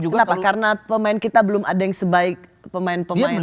kenapa karena pemain kita belum ada yang sebaik pemain pemain